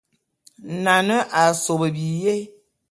Nane a sob biyé.